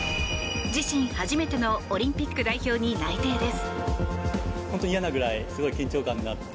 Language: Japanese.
自身初めてのオリンピック代表に内定です。